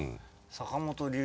坂本龍一